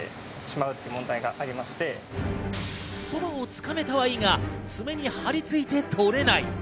そばをつかめたはいいが、つめに張り付いて取れない。